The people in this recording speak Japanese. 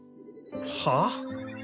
はあ？